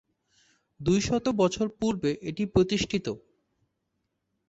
দুইশত বছর পূর্বে এটি প্রতিষ্ঠিত।